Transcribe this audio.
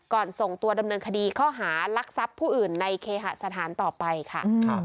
ส่งตัวดำเนินคดีข้อหารักทรัพย์ผู้อื่นในเคหสถานต่อไปค่ะ